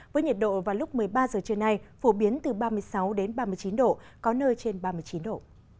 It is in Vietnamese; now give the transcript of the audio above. với nhiệt độ vào lúc một mươi ba giờ trưa nay phổ biến từ ba mươi sáu đến ba mươi chín độ có nơi trên ba mươi chín độ